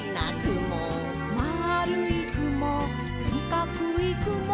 「まるいくもしかくいくも」